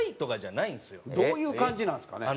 どういう感じなんですかね？